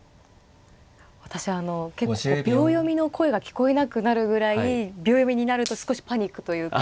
私結構秒読みの声が聞こえなくなるぐらい秒読みになると少しパニックというか。